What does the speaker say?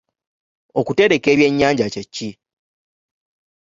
Okutereka ebyennyanja kye ki?